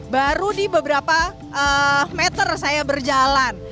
baru di beberapa meter saya berjalan